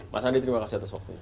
mas andi terima kasih atas waktunya